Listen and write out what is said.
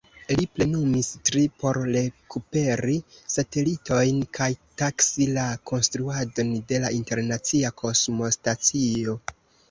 Li plenumis tri por rekuperi satelitojn kaj taksi la konstruadon de la Internacia Kosmostacio.